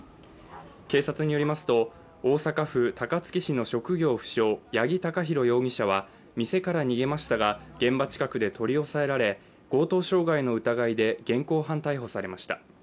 警察によりますと、大阪府高槻市の職業不詳、八木貴寛容疑者は、店から逃げましたが現場近くで取り押さえられ強盗傷害の疑いで現行犯逮捕されました。